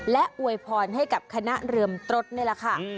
และอวยพรให้กับคณะเรือมตรดนี่แหละค่ะ